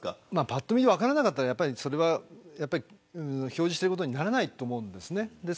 ぱっと見で分からなかったら表示していることにならないと思いますね。